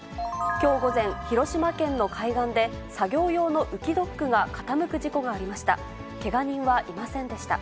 きょう午前、広島県の海岸で、作業用の浮きドックが傾く事故がありました。